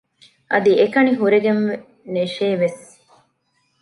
އަދި އެކަނި ހުރެގެން ނެށޭވެސް